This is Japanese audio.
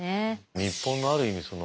日本のある意味